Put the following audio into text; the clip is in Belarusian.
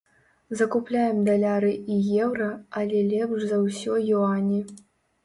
Закупляем даляры і еўра, але лепш за ўсё юані.